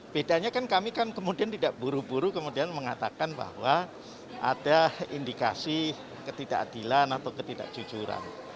bedanya kan kami kan kemudian tidak buru buru kemudian mengatakan bahwa ada indikasi ketidakadilan atau ketidakjujuran